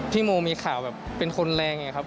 พี่โมมีข่าวเป็นคนแรง